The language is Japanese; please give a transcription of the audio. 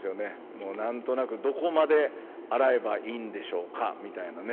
もう何となくどこまで洗えばいいんでしょうかみたいなね。